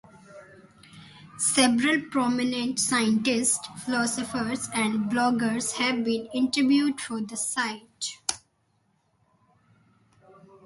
Several prominent scientists, philosophers, and bloggers have been interviewed for the site.